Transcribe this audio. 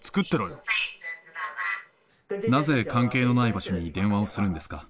なぜ関係のない場所に電話をするんですか？